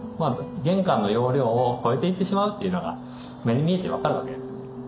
玄関の容量を超えていってしまうというのが目に見えて分かるわけですね。